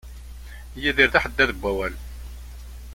Yidir d aḥeddad n wawal.